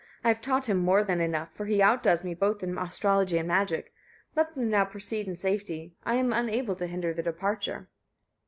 I have taught him more than enough; for he outdoes me both in astrology and magic. Let them now proceed in safety; I am unable to hinder their departure."